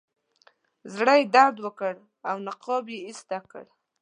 زړه یې درد وکړ او نقاب یې ایسته کړ.